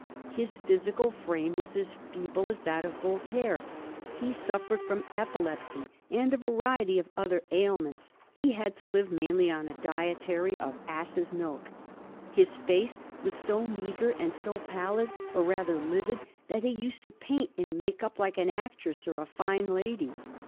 His physical frame was as feeble as that of Voltaire. He suffered from epilepsy and a variety of other ailments. He had to live mainly on a dietary of ass's milk. His face was so meagre and so pallid, or rather livid, that he used to paint and make up like an actress or a fine lady.